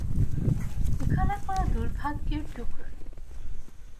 এখানে কোনো দুর্ভাগ্যের টুকরো নেই।